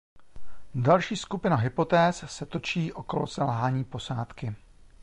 Další skupina hypotéz se točí okolo selhání posádky.